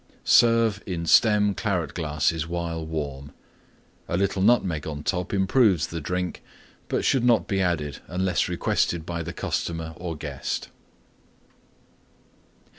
Serve in stem Claret glasses while warm. A little Nutmeg on top improves the drink, but should not be added unless requested by customer or guest.